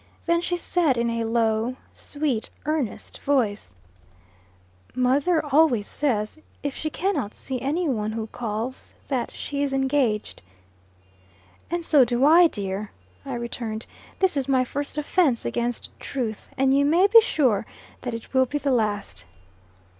Then she said in a low, sweet, earnest voice: "Mother always says, if she cannot see any one who calls, that she is engaged." "And so do I, dear," I returned. "This is my first offence against truth, and you may be sure that it will be the last."